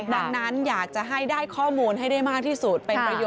ดังนั้นอยากจะให้ได้ข้อมูลให้ได้มากที่สุด